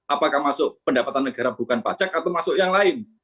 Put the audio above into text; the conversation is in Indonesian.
apakah masuk pendapatan negara bukan pajak atau masuk yang lain